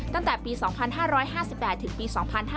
ตั้งแต่ปี๒๕๕๘ถึงปี๒๕๕๙